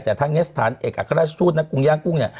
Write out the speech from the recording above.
แต่ทั้งเจษฐานเอกอัคราชทูตและกรุงย่างกุ้ง